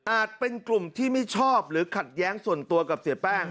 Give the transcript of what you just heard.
เป็นกลุ่มที่ไม่ชอบหรือขัดแย้งส่วนตัวกับเสียแป้ง